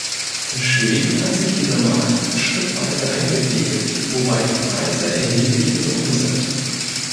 In Schweden hat sich dieser Markt schrittweise eingepegelt, wobei die Preise erheblich gesunken sind.